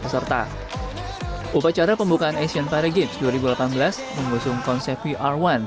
serta upacara pembukaan asean para games dua ribu delapan belas mengusung konsep vr satu